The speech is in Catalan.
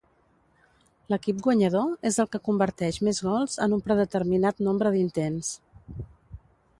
L'equip guanyador és el que converteix més gols en un predeterminat nombre d'intents.